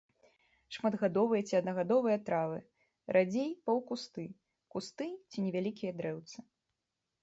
Шматгадовыя ці аднагадовыя травы, радзей паўкусты, кусты ці невялікія дрэўцы.